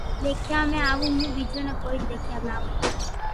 دآکيا ۾ آووہ ھون ٻيجا ني ڪوئي ديکيا ۾